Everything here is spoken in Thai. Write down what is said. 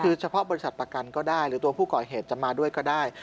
คือเฉพาะบริษัทประกันก็ได้หรือตัวผู้ก่อเหตุจะมาด้วยก็ได้